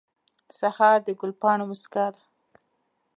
سهار د ګل پاڼو موسکا ده.